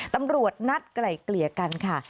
ตำรวจนัดไกล่เกลี่ยกันค่ะ